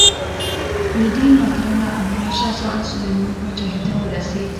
د دې ملاتړ له امله شهزاده سلیمان پاچاهي ته ورسېد.